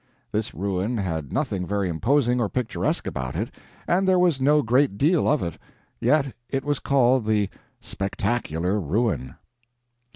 This ruin had nothing very imposing or picturesque about it, and there was no great deal of it, yet it was called the "Spectacular Ruin."